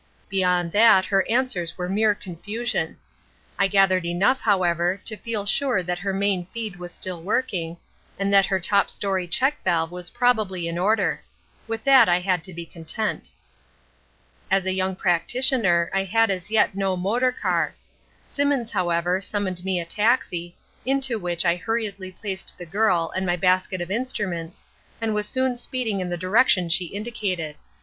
Beyond that her answers were mere confusion. I gathered enough, however, to feel sure that her main feed was still working, and that her top story check valve was probably in order. With that I had to be content. "As a young practitioner, I had as yet no motor car. Simmons, however, summoned me a taxi, into which I hurriedly placed the girl and my basket of instruments, and was soon speeding in the direction she indicated.